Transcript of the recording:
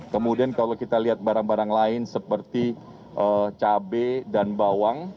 kemudian kalau kita lihat barang barang lain seperti cabai dan bawang